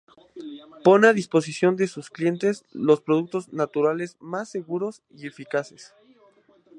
Pone a disposición de sus clientes los productos naturales más seguros y eficaces.